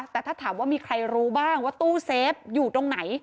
แต่ถ้าถามว่ามีใครรู้บ้างว่าตู้เซฟอยู่ตรงไหน